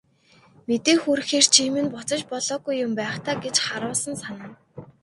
Мэдээ хүргэхээр чи минь буцаж болоогүй юм байх даа гэж харуусан санана.